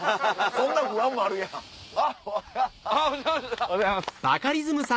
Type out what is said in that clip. おはようございます。